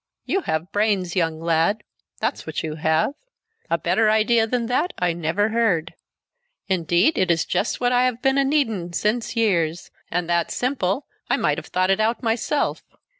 You have brains, young lad, that's what you have. A better idea than that I never heard! Indeed, it is just what I have been a needin' since years, and that simple I might have thought it out myself!